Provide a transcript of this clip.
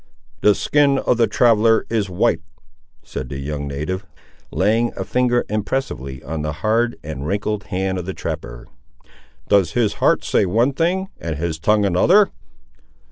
"The skin of the traveller is white," said the young native, laying a finger impressively on the hard and wrinkled hand of the trapper. "Does his heart say one thing and his tongue another?"